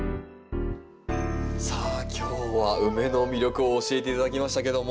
さあ今日はウメの魅力を教えて頂きましたけども。